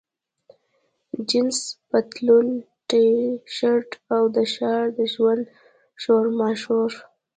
جینس پتلون، ټي شرټ، او د ښار د ژوند شورماشور.